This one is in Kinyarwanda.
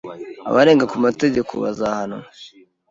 Abarenga ku mategeko bazahanwa.